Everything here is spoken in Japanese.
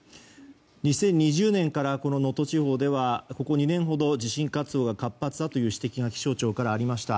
２０２０年から能登地方ではここ２年ほど地震活動が活発だという指摘が気象庁からありました。